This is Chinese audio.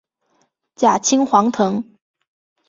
假青黄藤